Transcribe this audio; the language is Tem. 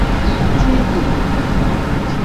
Ciidi.